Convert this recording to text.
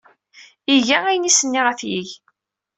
Iga ayen ay as-nniɣ ad t-yeg.